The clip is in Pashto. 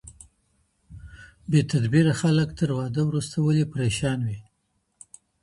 بې تدبيره خلګ تر واده وروسته ولي پرېشان وي؟